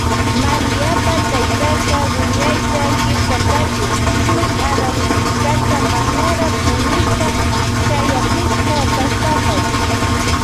Maríapa taytaka wiñayta killkakatin shun arawikillkata manara puñushpa shayakushka kashpapash.